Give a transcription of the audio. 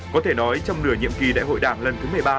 có thể nói trong nửa nhiệm kỳ đại hội đảng lần thứ một mươi ba